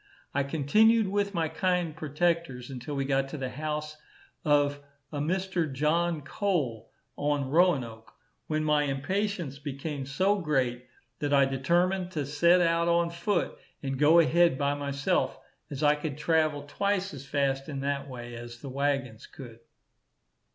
I continued with my kind protectors, until we got to the house of a Mr. John Cole, on Roanoke, when my impatience became so great, that I determined to set out on foot and go ahead by myself, as I could travel twice as fast in that way as the waggons could.